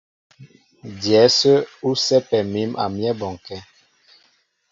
Dyɛ̌ ásə́ nɛ́ ú sɛ́pɛ mǐm a myɛ́ bɔnkɛ́.